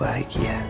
aku terkecil ya ri